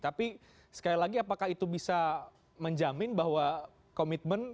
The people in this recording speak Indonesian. tapi sekali lagi apakah itu bisa menjamin bahwa komitmen